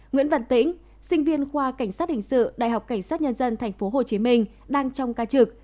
nguyễn văn tĩnh sinh viên khoa cảnh sát hình sự đại học cảnh sát nhân dân tp hcm đang trong ca trực